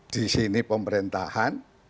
di sini pemerintahan